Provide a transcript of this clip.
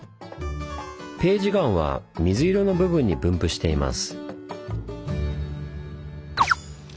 ページ岩は水色の部分に分布しています。